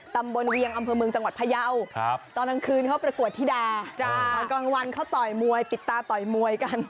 เวียงอำเภอเมืองจังหวัดพยาวตอนกลางคืนเขาประกวดธิดาตอนกลางวันเขาต่อยมวยปิดตาต่อยมวยกัน